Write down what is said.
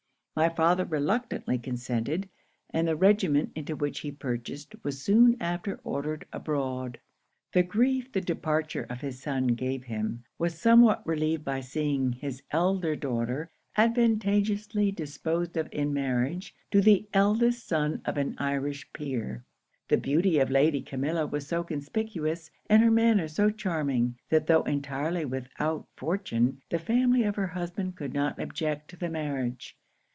My father reluctantly consented; and the regiment into which he purchased was soon after ordered abroad. The grief the departure of his son gave him, was somewhat relieved by seeing his elder daughter advantageously disposed of in marriage to the eldest son of an Irish peer. The beauty of Lady Camilla was so conspicuous, and her manners so charming, that though entirely without fortune, the family of her husband could not object to the marriage.